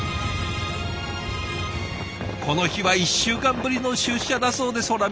この日は１週間ぶりの出社だそうです。